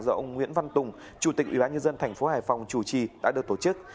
do ông nguyễn văn tùng chủ tịch ủy ban nhân dân tp hải phòng chủ trì đã được tổ chức